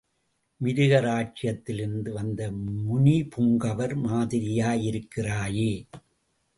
மிருக ராஜ்யத்திலிருந்து வந்த முனிபுங்கவர் மாதிரியிருக்கிறாயே!